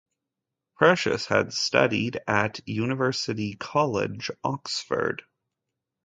Precious had studied at University College, Oxford.